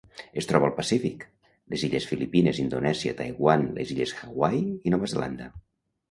Es troba al Pacífic: les illes Filipines, Indonèsia, Taiwan, les illes Hawaii i Nova Zelanda.